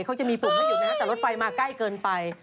เขาจะมีปุ่มให้อยู่นะฮะแต่รถไฟมาใกล้เกินไป